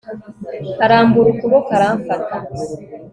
arambura ukuboko aramfata